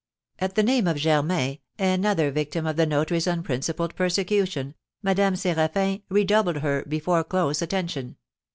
At the name of Germain, another victim of the notary's unprincipled persecution, Madame Séraphin redoubled her before close attention.